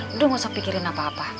udah nggak usah pikirin apa apa